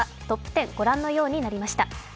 トップ１０、御覧のようになりました